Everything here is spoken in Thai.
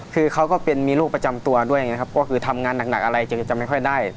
คือเขาก็เป็นมีโรคประจำตัวด้วยนะครับก็คือทำงานหนักอะไรจะจำไม่ค่อยได้